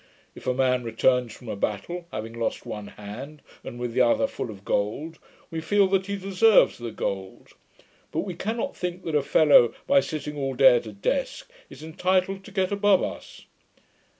If a man returns from a battle, having lost one hand, and with the other full of gold, we feel that he deserves the gold; but we cannot think that a fellow, by sitting all day at a desk, is entitled to get above us.'